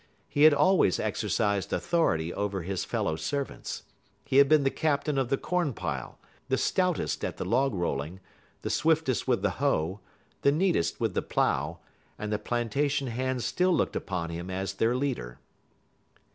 He had always exercised authority over his fellow servants. He had been the captain of the corn pile, the stoutest at the log rolling, the swiftest with the hoe, the neatest with the plough, and the plantation hands still looked upon him as their leader.